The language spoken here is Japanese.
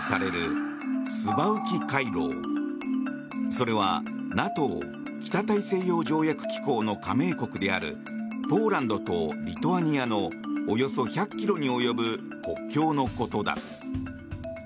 それはＮＡＴＯ・北大西洋条約機構の加盟国であるポーランドとリトアニアのおよそ１００ｋｍに及ぶ国境のことだ。